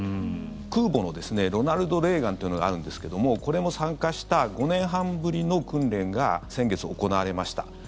空母の「ロナルド・レーガン」というのがあるんですけどもこれも参加した５年半ぶりの訓練が先月、行われました。